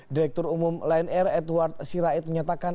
direktur umum lion air edward sirait menyatakan